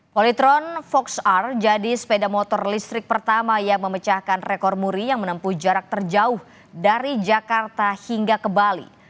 polytron fox ar jadi sepeda motor listrik pertama yang memecahkan rekor muri yang menempuh jarak terjauh dari jakarta hingga ke bali